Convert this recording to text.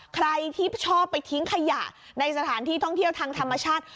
ใครที่ชอบไปทิ้งขยะในสถานที่ท่องเที่ยวทางธรรมชาติ